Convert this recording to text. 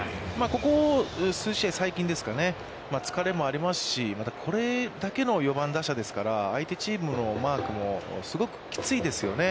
ここ数試合、最近ですかね、疲れもありますし、またこれだけの４番打者ですから、相手チームのマークもすごくきついですよね。